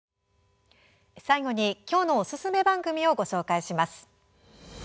最後に、今日のおすすめ番組をご紹介します。